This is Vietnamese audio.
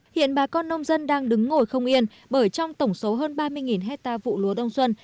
hiện bà con nông dân đang đứng ngồi không yên bởi trong tổng số hơn ba mươi hectare vụ lúa đông xuân